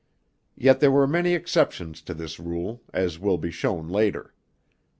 Yet there were many exceptions to this rule, as will be shown later.